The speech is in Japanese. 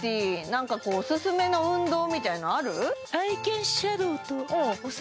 何かおすすめの運動みたいのある？